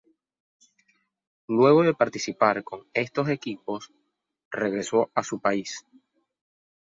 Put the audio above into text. Luego de participar con estos equipos, regresó a su país.